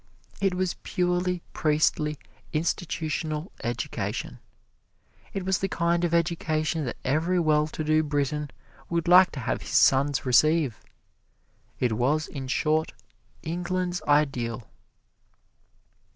It was purely priestly, institutional education. It was the kind of education that every well to do Briton would like to have his sons receive. It was, in short, England's Ideal.